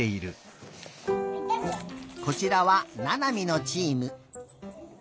こちらはななみのチーム。